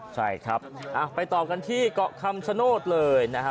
ใช่ครับไปต่อกันที่เกาะคำชโนธเลยนะฮะ